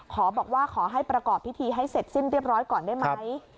บอกว่าขอให้ประกอบพิธีให้เสร็จสิ้นเรียบร้อยก่อนได้ไหม